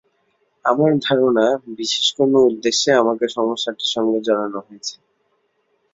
আমার ধারণা, বিশেষ কোনো উদ্দেশ্যে আমাকে সমস্যাটির সঙ্গে জড়ানো হয়েছে।